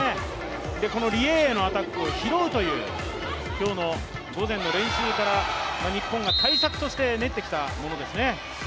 リ・エイエイのアタックを拾うという、午前の練習から日本が対策として練ってきたものですね。